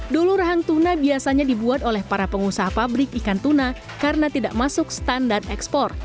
dulu rahang tuna biasanya dibuat oleh para pengusaha pabrik ikan tuna karena tidak masuk standar ekspor